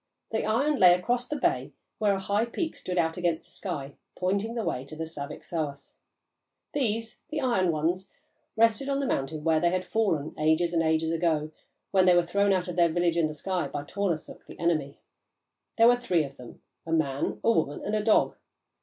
The iron lay across the bay where a high peak stood out against the sky, pointing the way to the Saviksoahs. These the "Iron Ones" rested on the mountain where they had fallen, ages and ages ago, when they were thrown out of their village in the sky by Tornarsuk, the enemy. There were three of them, a man, a woman, and a dog.